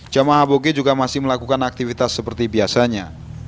jemaah aboge juga masih melakukan aktivitas seperti biasanya